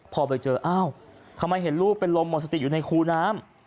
พอไปเจออ้าวทำไมเห็นลูกเป็นลมหมดสติอยู่ในคูน้ำ